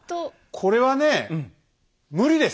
これはね無理です。